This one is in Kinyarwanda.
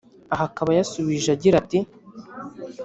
Aha akaba yasubije agira ati